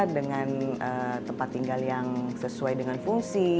dengan tempat tinggal yang sesuai dengan fungsi